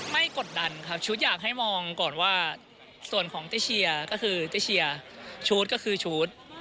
กดดันครับชุดอยากให้มองก่อนว่าส่วนของเจ๊เชียร์ก็คือเจ๊เชียร์ชุดก็คือชุด